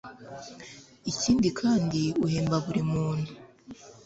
ikindi kandi uhemba buri muntu